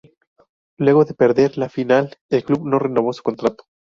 Luego de perder la final el club no renovó su contrato.